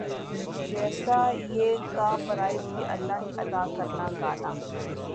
جَیسا یِہ کا فرائض بھی اللہ ہی ادا کرنا گانا